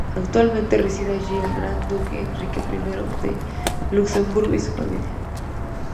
Actualmente reside allí el gran duque Enrique I de Luxemburgo y su familia.